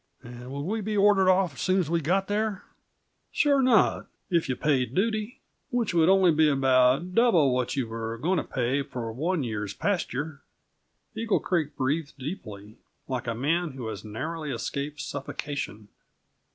"And would we be ordered off soon as we got there?" "Sure not if you paid duty, which would only be about double what you were going to pay for one year's pasture." Eagle Creek breathed deeply, like a man who has narrowly escaped suffocation.